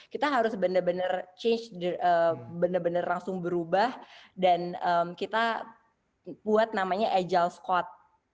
kita harus benar benar berubah dan kita buat namanya agile squad